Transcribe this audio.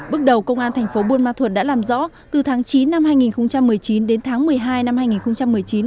bước đầu công an thành phố buôn ma thuật đã làm rõ từ tháng chín năm hai nghìn một mươi chín đến tháng một mươi hai năm hai nghìn một mươi chín